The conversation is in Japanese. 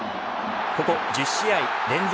ここ１０試合連続